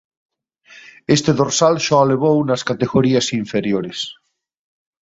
Este dorsal xa o levou nas categorías inferiores.